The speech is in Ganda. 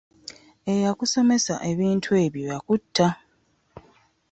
Eyakusomesa ebintu ebyo yatutta.